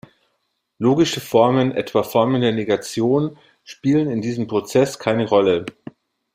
Logische Formen, etwa Formen der Negation, spielen in diesem Prozess keine Rolle.